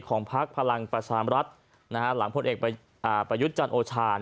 พักพลังประชามรัฐหลังพลเอกประยุทธ์จันทร์โอชาญ